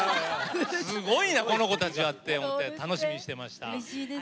すごいな、この子たちはって思って、楽しみにしていました。